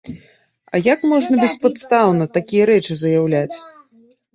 А як можна беспадстаўна такія рэчы заяўляць.